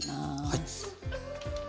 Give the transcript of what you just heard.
はい。